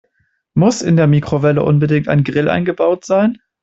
Muss in der Mikrowelle unbedingt ein Grill eingebaut sein?